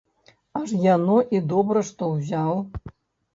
Аж яно і добра, што ўзяў.